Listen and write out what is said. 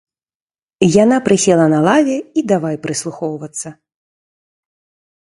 Яна прысела на лаве і давай прыслухоўвацца.